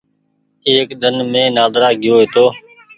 ايڪ ۮن مين نآدرا گئيو هيتو۔